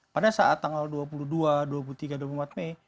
pada saat tanggal dua puluh dua dua puluh tiga dua puluh empat mei